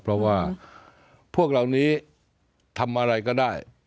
เพราะว่าพวกเหล่านี้ทำอะไรก็ได้